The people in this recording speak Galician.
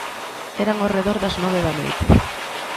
Eran ao redor das nove da noite.